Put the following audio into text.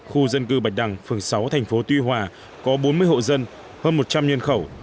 khu dân cư bạch đằng phường sáu thành phố tuy hòa có bốn mươi hộ dân hơn một trăm linh nhân khẩu